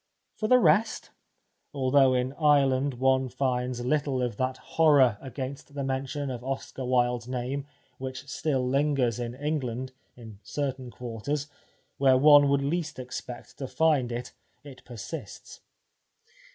For the rest, although in Ireland one finds little of that horror against the mention of Oscar Wilde's name which still lingers in England, in certain quarters, where one would least expect to find it, it persists.